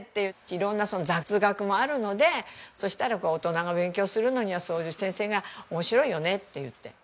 色んなその雑学もあるのでそしたらこう大人が勉強するのにはそういう先生が面白いよねって言って。